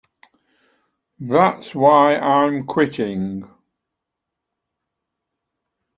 That's why I'm quitting.